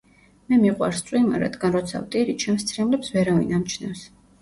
"მე მიყვარს წვიმა რადგან როცა ვტირი ჩემს ცრემლებს ვერავინ ამჩნევს"